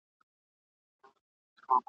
په ایرو کي ګوتي مه وهه اور به پکښې وي !.